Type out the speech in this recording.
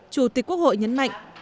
chủ tịch quốc hội nhấn mạnh